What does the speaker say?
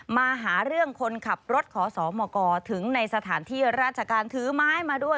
มาหาเรื่องคนขับรถขอสมกถึงในสถานที่ราชการถือไม้มาด้วย